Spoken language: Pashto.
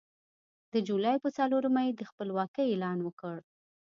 د جولای په څلورمه یې د خپلواکۍ اعلان وکړ.